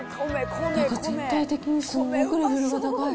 なんか全体的にすごくレベルが高い。